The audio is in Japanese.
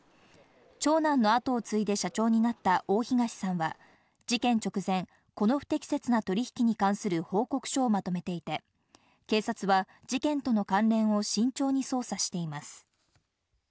長男の後を継いで社長になった大東さんは事件直前、この不適切な取引に関する報告書をまとめていて、警察は事件との関連を慎重に捜査しています。